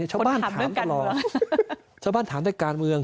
ชาวบ้านถามประมาณกาลเมือง